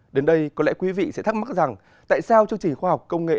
đến đây có lẽ quý vị sẽ thắc mắc rằng tại sao chương trình khoa học công nghệ